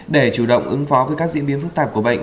để chủ động ứng phó với các diễn biến phức tạp của bệnh